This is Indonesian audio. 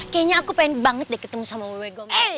kayaknya aku pengen banget deh ketemu sama ww gombel